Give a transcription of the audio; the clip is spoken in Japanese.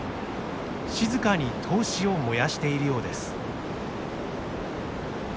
静かに闘志を燃やしているようです。